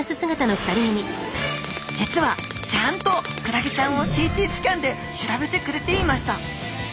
実はちゃんとクラゲちゃんをＣＴスキャンで調べてくれていました。